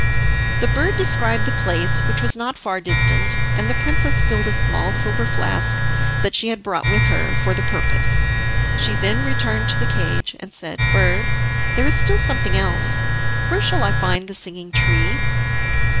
The bird described the place, which was not far distant, and the princess filled a small silver flask that she had brought with her for the purpose. She then returned to the cage, and said: "Bird, there is still something else, where shall I find the Singing Tree?"